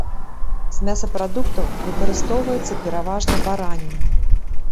З мясапрадуктаў выкарыстоўваецца пераважна бараніна.